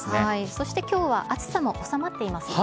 そして、きょうは暑さも収まっていますね。